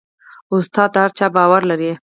استاد د هر چا باور لري.